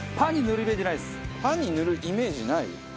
パンに塗るイメージない？